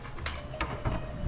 ketika masjid ini diundang